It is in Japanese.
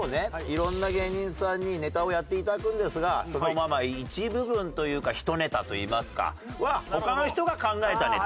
いろんな芸人さんにネタをやっていただくんですがそのまあまあ一部分というかひとネタといいますかは他の人が考えたネタ。